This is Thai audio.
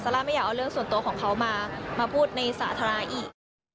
ล่าไม่อยากเอาเรื่องส่วนตัวของเขามาพูดในสาธารณะอีก